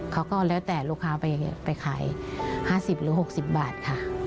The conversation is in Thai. เขาก็แล้วแต่ลูกค้าไปขาย๕๐หรือ๖๐บาทค่ะ